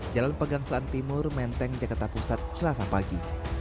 jalan pegang selan timur menteng jakarta pusat selasa pagi